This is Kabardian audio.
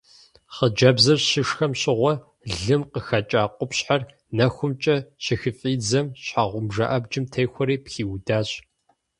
Хъыджэбзыр щышхэм щыгъуэ лым къыхэкӀа къупщхьэр нэхумкӀэ щыхыфӀидзэм щхьэгъубжэ абджым техуэри пхиудащ.